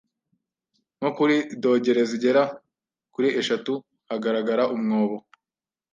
nko kuri dogere zigera kuri eshatu hagaragara umwobo